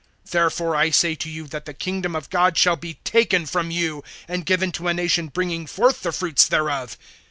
(43)Therefore I say to you, that the kingdom of God shall be taken from you, and given to a nation bringing forth the fruits thereof.